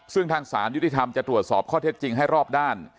ซึ่งทางศาลยุติธรรมจะตรวจสอบข้อเท็จจริงให้รอบด้าน